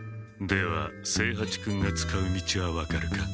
では清八君が使う道は分かるか？